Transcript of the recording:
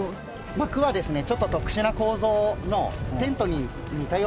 膜はですねちょっと特殊な構造のテントに似たような膜で。